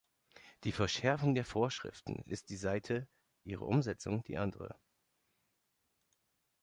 Die Verschärfung der Vorschriften ist die Seite, ihre Umsetzung die andere.